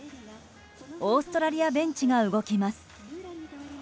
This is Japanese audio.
オーストラリアベンチが動きます。